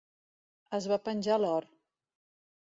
Es va penjar l'or.